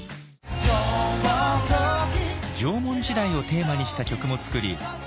縄文時代をテーマにした曲も作り